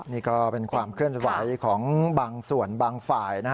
นี่ก็เป็นความเคลื่อนไหวของบางส่วนบางฝ่าย